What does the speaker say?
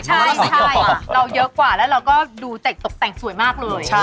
ใช่เราเยอะกว่าแล้วเราก็ดูเด็กตกแต่งสวยมากเลย